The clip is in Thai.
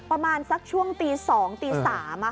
ประมาณสักช่วงตี๒ตี๓